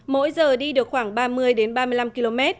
mỗi giờ đi được khoảng ba mươi km